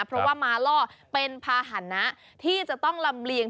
เพราะว่ามาล่อเป็นภาษณะที่จะต้องลำเลียง